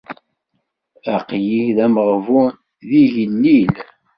Aql-i d ameɣbun, d igellil.